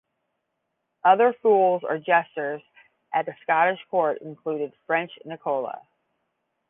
Other fools or jesters at the Scottish court included French Nicola.